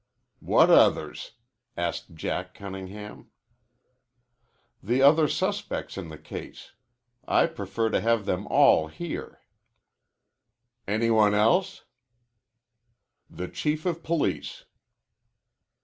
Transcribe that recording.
"What others?" asked Jack Cunningham. "The other suspects in the case. I prefer to have them all here." "Any one else?" "The Chief of Police."